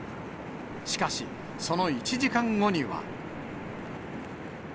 しかし、その１時間後には。